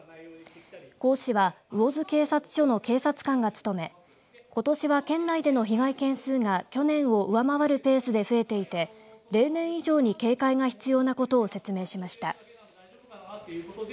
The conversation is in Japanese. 講師は魚津警察署の警察官が務めことしは県内での被害件数が去年を上回るペースで増えていて例年以上に警戒が必要なことを説明しました。